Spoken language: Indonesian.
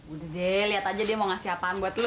udah deh lihat aja dia mau ngasih apaan buat lu